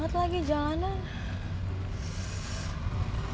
udah gini bang